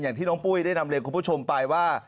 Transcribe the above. อย่างที่น้องปุ้ยได้นำเรียนคุณผู้ชมไปว่า